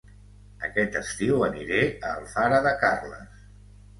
Aquest estiu aniré a Alfara de Carles